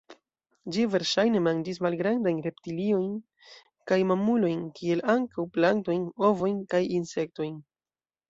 Ĝi verŝajne manĝis malgrandajn reptiliojn kaj mamulojn kiel ankaŭ plantojn, ovojn kaj insektojn.